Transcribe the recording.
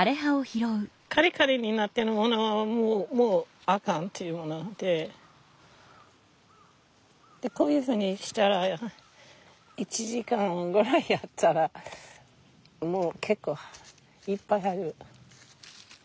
カリカリになってるものはもうアカンっていうのなんででこういうふうにしたら１時間ぐらいやったらもう結構いっぱいある。